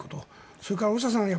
それから大下さん